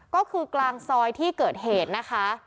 ก็คือกลางซอยที่เกิดเหตุนะคะ